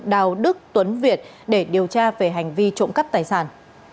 đào đức tuấn việt để điều tra về hành vi trộm cắp tài sản